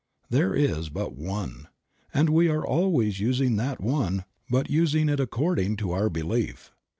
There is but one, and we are always using that one but using it according to our belief.